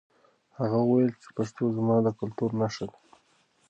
هغه وویل چې پښتو زما د کلتور نښه ده.